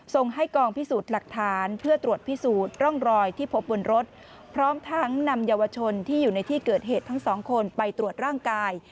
ส่งให้กองพิสูจน์หลักฐานเพื่อตรวจพิสูจน์ร่องรอยที่พบบนรถพร้อมทั้งนำเยาวชนที่อยู่ในที่เกิดเหตุทั้งสองคนไปตรวจร่างกาย